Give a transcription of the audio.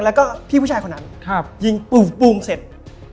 แล้วก็พี่ผู้ชายคนนั้นยิงปูมเสร็จ